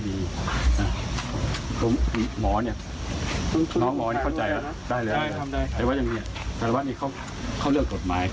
การทำให้มันตามกฎหมายจะพูดมาก